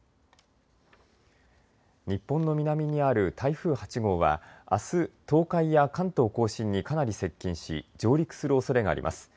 日本の南にある台風８号はあす東海や関東甲信にかなり接近し上陸するおそれがあります。